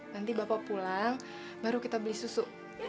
nanti bapak pulang baru kita beli susu